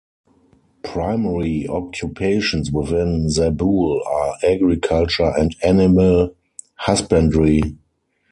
Primary occupations within Zabul are agriculture and animal husbandry.